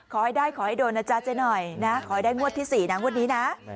ขอให้ได้ขอให้โดนนะจ๊ะเจ๊หน่อยนะขอให้ได้งวดที่๔นะงวดนี้นะ